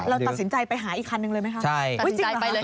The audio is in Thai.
เราตัดสินใจไปหาอีกคันนึงเลยไหมคะ